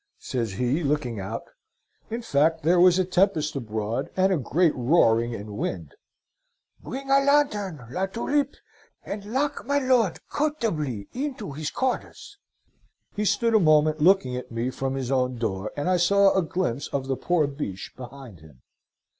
says he, looking out. In fact there was a tempest abroad, and a great roaring, and wind. 'Bring a lanthorn, La Tulipe, and lock my lord comfortably into his quarters!' He stood a moment looking at me from his own door, and I saw a glimpse of the poor Biche behind him.